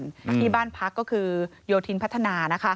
ที่บ้านพักก็คือโยธินพัฒนานะคะ